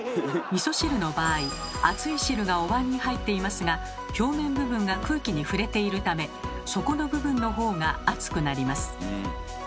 みそ汁の場合熱い汁がおわんに入っていますが表面部分が空気に触れているため底の部分の方が熱くなります。